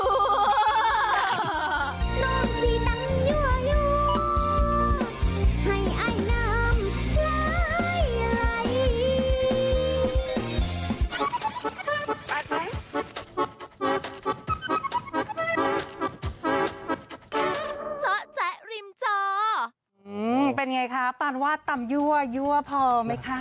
อืมเป็นไงคะปาญวาตำยั่วยั่วพอไหมคะ